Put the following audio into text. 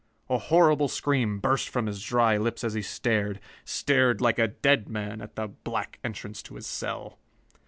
A horrible scream burst from his dry lips as he stared stared like a dead man at the black entrance to his cell.